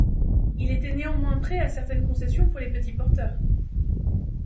Il était néanmoins prêt à certaines concessions pour les petits porteurs.